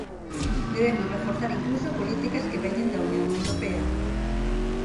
Debemos reforzar incluso políticas que veñen da Unión Europea.